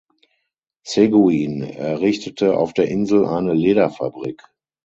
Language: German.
Seguin errichtete auf der Insel eine Lederfabrik.